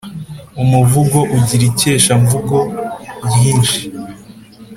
umuvugo ugira ikeshamvugo ryinshi